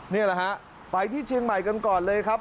นี่แหละฮะไปที่เชียงใหม่กันก่อนเลยครับ